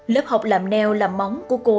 lớp học làm neo làm móng của cô